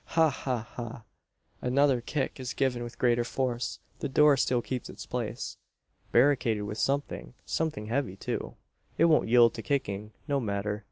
Ha! ha! ha!" Another kick is given with greater force. The door still keeps its place. "Barricaded with something something heavy too. It won't yield to kicking. No matter.